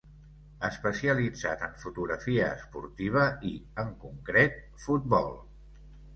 Especialitzat en fotografia esportiva i, en concret, futbol.